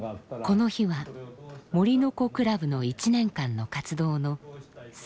この日は森の子クラブの１年間の活動の最後の日でした。